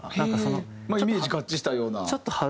イメージ合致したような。